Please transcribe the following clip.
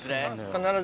必ず。